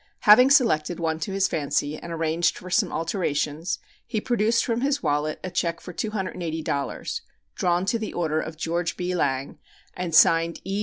Having selected one to his fancy and arranged for some alterations, he produced from his wallet a check for $280, drawn to the order of George B. Lang, and signed E.